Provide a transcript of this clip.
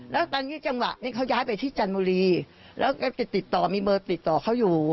แล้วตอนนี้จังหวะนี้เขาย้ายไปที่จันทบุรีแล้วก็จะติดต่อมีเบอร์ติดต่อเขาอยู่